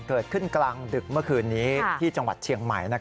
เกิดขึ้นกลางดึกเมื่อคืนนี้ที่จังหวัดเชียงใหม่